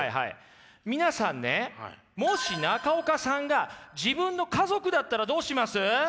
皆さんねもし中岡さんが自分の家族だったらどうします？